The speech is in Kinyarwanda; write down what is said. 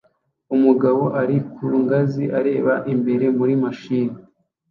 Umugabo ari ku ngazi areba imbere muri mashini